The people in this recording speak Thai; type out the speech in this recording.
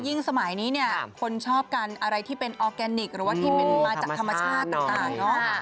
ยิ่งสมัยนี้คนชอบกันอะไรที่เป็นออร์แกนิคหรือว่าที่มันมาจากธรรมชาติกันต่าง